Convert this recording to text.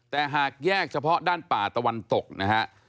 แต่หากแยกเฉพาะด้านป่าตะวันตกนะฮะ